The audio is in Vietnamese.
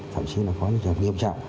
thậm chí là có những trường nghiêm trọng